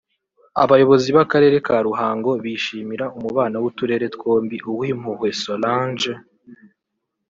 Abayobozi b’Akarere ka Ruhango bishimira umubano w’uturere twombi Uwimpuhwe Solange